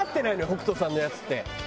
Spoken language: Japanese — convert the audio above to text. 北斗さんのやつって。